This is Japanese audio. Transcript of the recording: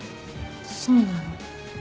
そうなの？